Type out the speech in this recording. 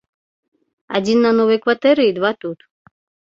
Адзін на новай кватэры і два тут.